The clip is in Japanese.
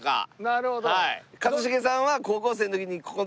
なるほど。